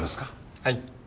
はい。